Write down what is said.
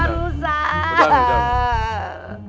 udah umi udah